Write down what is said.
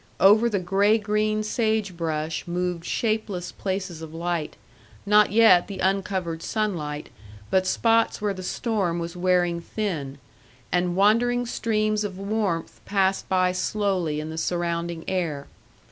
Over the gray green sage brush moved shapeless places of light not yet the uncovered sunlight, but spots where the storm was wearing thin; and wandering streams of warmth passed by slowly in the surrounding air.